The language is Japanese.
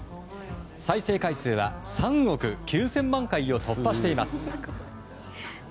再生回数は３億９０００万回を突破しています。